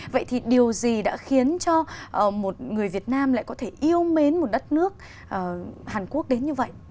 vậy thì điều gì đã khiến cho một người việt nam lại có thể yêu mến một đất nước hàn quốc đến như vậy